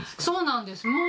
そうなんです。